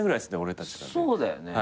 そうだよね。